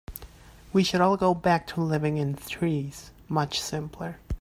We should all go back to living in the trees, much simpler.